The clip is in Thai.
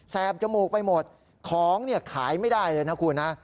จมูกไปหมดของเนี่ยขายไม่ได้เลยนะคุณนะ